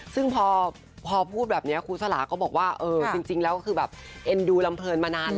ซึ่งพอพูดแบบนี้ครูสลาก็บอกว่าเออจริงแล้วคือแบบ